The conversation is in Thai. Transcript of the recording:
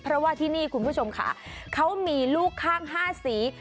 เพราะว่าที่นี่คุณผู้ชมค่ะเขามีลูกข้าง๕สี